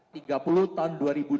tiga puluh tahun dua ribu dua puluh